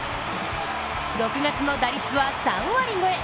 ６月の打率は３割超え。